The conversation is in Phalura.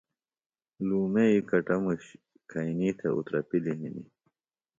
لُومئیۡ کٹموش کھئِنی تھےۡ اُترپِلیۡ ہنیۡ